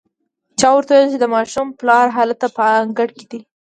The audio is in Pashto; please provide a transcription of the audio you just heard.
چا ورته وويل چې د ماشوم پلار هلته په انګړ کې دی.